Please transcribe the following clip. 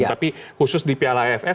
tapi khusus di piala aff